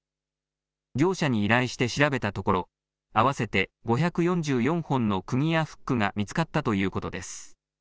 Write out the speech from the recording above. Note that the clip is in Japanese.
業者に依頼して調べたところ、合わせて５４４本のくぎやフックが見つかったということです。